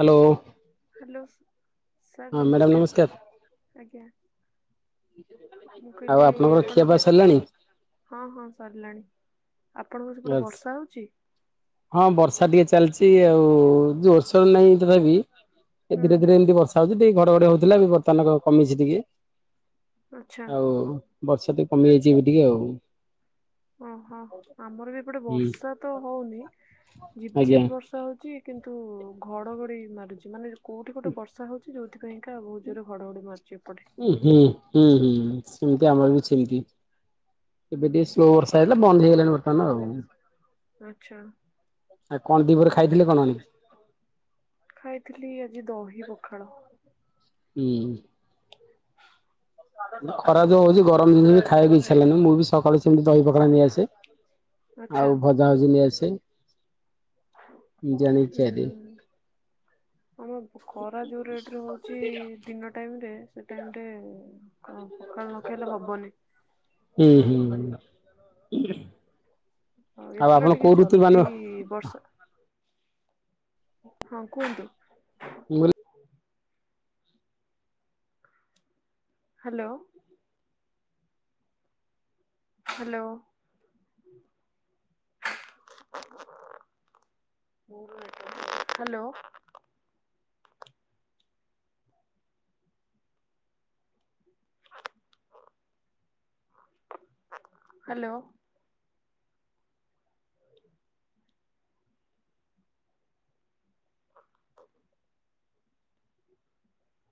Hello. Hello sir ନମସ୍କାର ଆଜ୍ଞା। ମୁଁ ଆଉ କହିଲି ଆପଣଙ୍କର ଆପଣ ଖିଆପିଆ ଏବେ ସରିଲାଣି? ହଁ ହଁ ସରିଲାଣି। ଆପଣଙ୍କର ସେପଟେ ବର୍ଷା ହଉଚି? ହଁ ବର୍ଷା ଟିକେ ଚାଲିଚି ଆଉ ଜୋରସୋର ନାହିଁ ତଥାବି ଏ ହୁଁ ଧୀରେ ଧୀରେ ଏମିତି ବ ରସା ହଉଚି ତ ଟିକେ ଘଡଘଡି ହଉଥିଲା ଏବେ ବର୍ତ୍ତମାନ କମିଛି ଟିକେ ଆଚ୍ଛା ଆଉ ବର୍ଷା ଟିକେ କମିଯାଇଚି ଏବେ ଟିକେ ଆଉ। ଓହୋ ଆମର ବି ଏପଟେ ହୁଁ ବର୍ଷା ତ ହଉନି। ଝିପ୍ ଆଜ୍ଞା ଝିପ୍ ବର୍ଷା ହଉଚି। କିନ୍ତୁ ଘଡଘଡି ମାରୁଚି ମାନେ କୋଉଠି ଗୋଟେ ବର୍ଷା ହଉଚି ଯୋଉ ସେଥିପାଇଁକା ବହୁ ଜୋରେ ଘଡଘଡି ମାରୁଚି ଏପଟେ। ଉ ହୁଁ ହୁଁ ହୁଁ ସେମିତି ଆମର ବି ସେମିତି। ଏବେ ଟିକେ ହୁଁ ସ୍ଲୋ ବର୍ଷା ହେଲେ ବନ୍ଦ ହେଇଗଲାଣି ବର୍ତ୍ତମାନ ଆଉ। ଆଚ୍ଛା ଆଉ କଣ ଦିପରେ ଖାଇଥିଲ କଣ? ଖାଇଥିଲି ଆଜି ଦହି ପଖାଳ। ହୁଁ। ହୁଁ, ଖରା ଜଉ ହଉଚି ଗରମ ଦିନରେ ବି ଖାଇବାକୁ ଇଚ୍ଛା ହେଲାନି ମୁଁ ବି ସକାଳୁ ସେମିତି ଦହି ପଖାଳ ନେଇଆସେ। ଆଚ୍ଛା ଆଉ ଭଜା ଜିଲି ଆସେ ଜାଣି ଖାଇ ଦିଏ। ହୁଁ ଆମ ଖରା ଯୋଉ ରେଟରେ ହଉଚି ଦିନ ଟାଇମରେ ସେ ଟାଇମରେ କଣ ପଖାଳ ନ ଖାଇଲେ ହବନି। ଉ ହୁଁ। ହ ଆଉ ଏଥର ଆପଣ ଟିକେ କୋଉ ଋତୁ ମାନ ଜଲଦି ମୁଁ କହିଲି ବର୍ଷା ହଁ କୁହନ୍ତୁ। [inaudible] ହାଲୋ। ହାଲୋ। ହାଲୋ। ହାଲୋ। [inaudible]